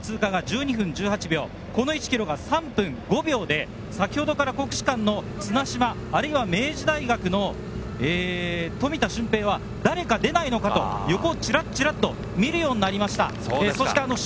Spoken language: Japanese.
３分を超えるペースで来ていまして、４ｋｍの通過が１２分１８秒、この１ｋｍが３分５秒で、先ほどから国士舘の綱島、あるいは明治大学の富田峻平は誰か出ないのかなと横をチラッチラッと見るようになりました。